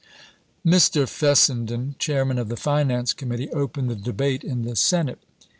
Mr. Fessenden, Chairman of the Finance Commit tee, opened the debate in the Senate.